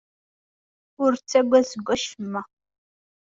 Ur ttaggad seg wacemma.